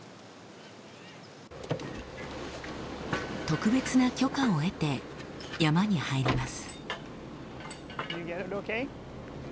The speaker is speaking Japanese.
特別な許可を得て山に入ります。